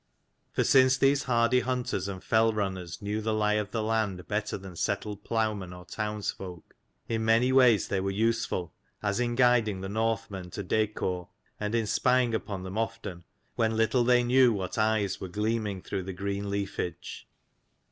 For since these hardy hunters and fell runners knew the lie of the land better than settled ploughmen or towns folk, in many ways they were useful, as in guiding the Northmen to Dacor, and in spying upon them often, when little they knew what eyes were gleaming through the green leafage.